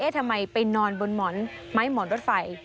ทำไมไปนอนบนหมอนไม้หมอนรถไฟ